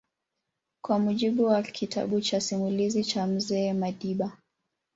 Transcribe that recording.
Kwa mujibu wa kitabu cha Simulizi za Mzee Madiba